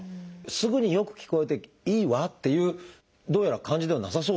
すぐに「よく聞こえていいわ」っていうどうやら感じではなさそうですね。